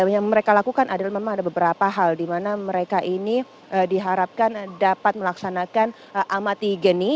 yang mereka lakukan adalah memang ada beberapa hal di mana mereka ini diharapkan dapat melaksanakan amati geni